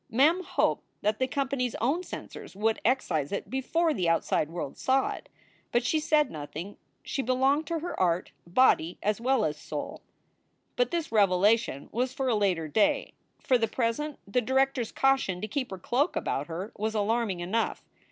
Mem hoped that the company s own censors would excise it before the outside world saw it ; but she said noth ing. She belonged to her art, body as well as soul. But this revelation was for a later day. For the present, the director s caution to keep her cloak about her was alarming enough.